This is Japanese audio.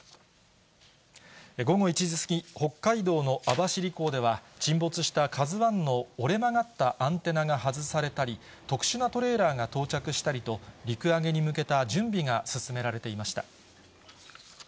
午後１時過ぎ、北海道の網走港では、沈没したＫＡＺＵＩの折れ曲がったアンテナが外されたり、特殊なトレーラーが到着したりと、陸揚げに向けた準備が進められていました。